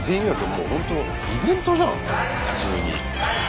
もうほんとイベントじゃん普通に。